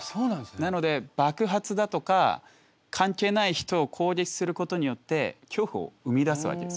なので爆発だとか関係ない人を攻撃することによって恐怖を生み出すわけですね。